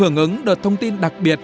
hưởng ứng đợt thông tin đặc biệt